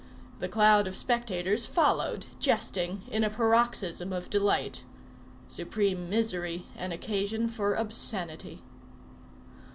The cloud of spectators followed, jesting, in a paroxysm of delight. Supreme misery an occasion for obscenity.